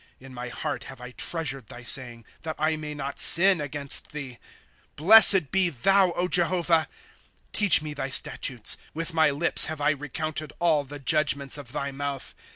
In my heart have I treasured thy saying, That I may not sin against thee. Blessed be thou, Jehovah! Teach me thy statutes. With my lips have I recounted All the judgments of thy mouth.